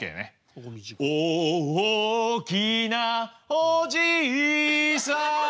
おおきなおじいさん